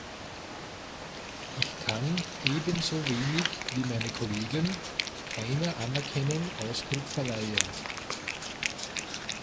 Ich kann, ebenso wenig wie meine Kollegen, keiner Anerkennung Ausdruck verleihen.